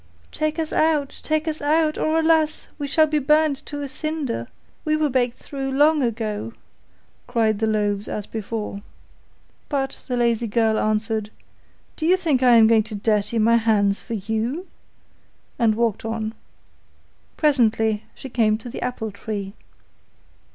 'Take us out, take us out, or alas! we shall be burnt to a cinder; we were baked through long ago,' cried the loaves as before. But the lazy girl answered, 'Do you think I am going to dirty my hands for you?' and walked on. Presently she came to the apple tree.